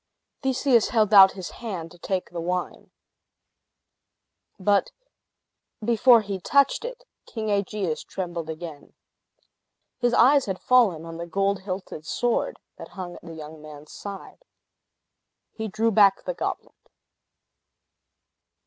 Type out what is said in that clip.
Theseus held out his hand to take the wine. But, before he touched it, King Aegeus trembled again. His eyes had fallen on the gold hilted sword that hung at the young man's side. He drew back the goblet.